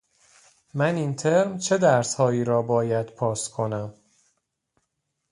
من این ترم چه درس هایی را باید پاس کنم؟